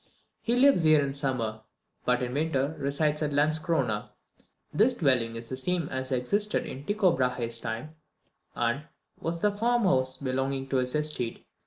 He lives here in summer, but in winter resides at Landscrona. This dwelling is the same as existed in Tycho Brahe's time, and was the farm house belonging to his estate.